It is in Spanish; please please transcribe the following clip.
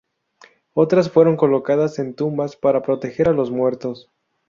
Otras fueron colocadas en tumbas para proteger a los muertos.